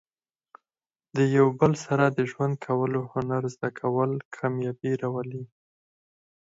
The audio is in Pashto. د یو بل سره د ژوند کولو هنر زده کول، کامیابي راولي.